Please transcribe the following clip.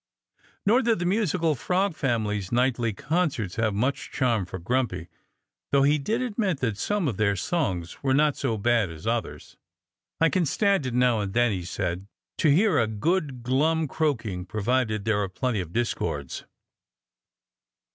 Nor did the musical Frog family's nightly concerts have much charm for Grumpy, though he did admit that some of their songs were not so bad as others. "I can stand it now and then," he said, "to hear a good, glum croaking, provided there are plenty of discords."